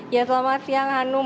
ya selamat siang hanum